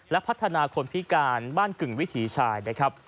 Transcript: และพัฒนาคนพิการบ้านกึ่งวิถีชายนะครับ